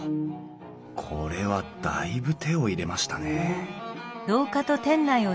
これはだいぶ手を入れましたねえ